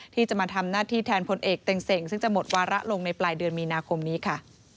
ที่จะมาทำหน้าที่แทนพลเอกเต็งซึ่งจะหมดวาระลงในปลายเดือนมีนาคมนี้ค่ะ